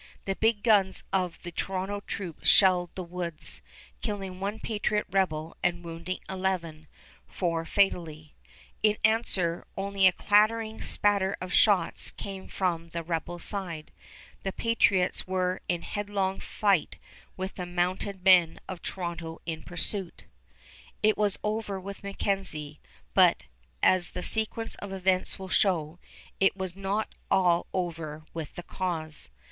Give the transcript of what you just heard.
The big guns of the Toronto troops shelled the woods, killing one patriot rebel and wounding eleven, four fatally. In answer, only a clattering spatter of shots came from the rebel side. The patriots were in headlong flight with the mounted men of Toronto in pursuit. It was over with MacKenzie, but, as the sequence of events will show, it was not all over with the cause.